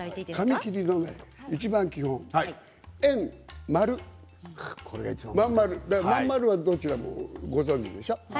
紙切りのいちばん基本円、真ん丸真ん丸は、どちらもご存じでしょう？